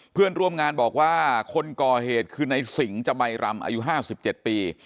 เพื่อนร่วมงานบอกว่าคนก่อเหตุคือนายสิงห์จำใบรำอายุห้าสิบเจ็ดปี